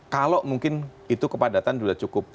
kalau mungkin itu kepadatan sudah cukup